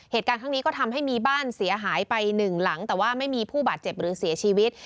เหตุการณ์ข้างนี้ก็ทำให้มีบ้านเสียหายไปหนึ่งหลังแต่ว่าไม่มีผู้บาดเจ็บหรือเสียชีวิต